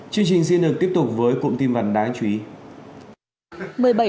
chương trình xin được tiếp tục với cụm tin vắn đáng chú ý